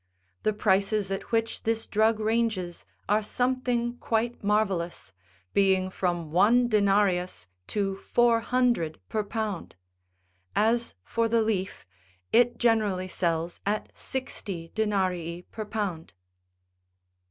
The prices at which this drug ranges are something quite marvellous, being from one denarius to four hundred per pound ; as for the leaf^ it generally sells at sixty denarii per pound.